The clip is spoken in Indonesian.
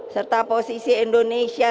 serta posisi indonesia